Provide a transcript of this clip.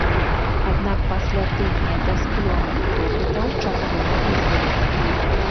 Аднак пасля тыдня бясплённых допытаў часова вызвалены.